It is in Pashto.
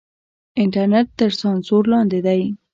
انټرنېټ تر سانسور لاندې دی.